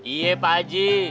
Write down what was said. iya pak aji